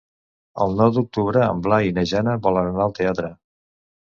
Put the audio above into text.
El nou d'octubre en Blai i na Jana volen anar al teatre.